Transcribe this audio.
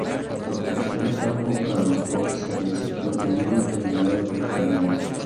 Proporcionó trabajo para los pobres en el sector del lino e hilado del cáñamo.